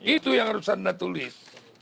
itu yang harus anda tulis